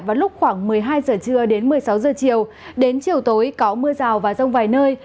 vào lúc khoảng một mươi hai giờ trưa đến một mươi sáu giờ chiều đến chiều tối có mưa rào và rông vài nơi